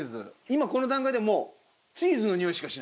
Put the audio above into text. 今この段階でもう。